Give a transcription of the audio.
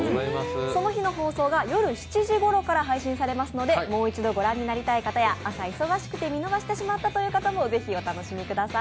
その日の放送が夜７時ごろから配信されますのでもう一度御覧になりたい方や、朝忙しく見逃してしまったという方もぜひお見直してください。